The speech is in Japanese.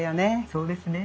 そうですね。